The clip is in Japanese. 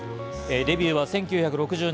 デビューは１９６０年。